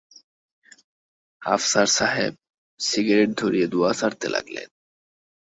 আফসার সাহেব সিগারেট ধরিয়ে ধোঁয়া ছাড়তে লাগলেন।